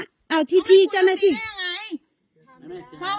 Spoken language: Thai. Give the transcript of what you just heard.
เขามาคุยเรื่องนี้ยังไง